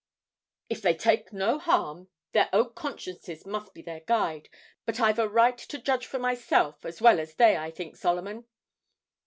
'If they take no harm, their own consciences must be their guide; but I've a right to judge for myself as well as they, I think, Solomon.'